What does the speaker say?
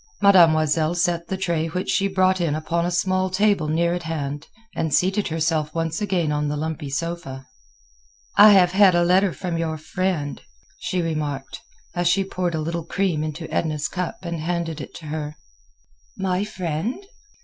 Mademoiselle set the tray which she brought in upon a small table near at hand, and seated herself once again on the lumpy sofa. "I have had a letter from your friend," she remarked, as she poured a little cream into Edna's cup and handed it to her. "My friend?"